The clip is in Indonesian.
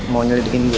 mau nyuruh di sini gue